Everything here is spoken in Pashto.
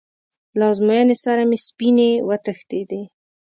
له ازموینې سره مې سپینې وتښتېدې.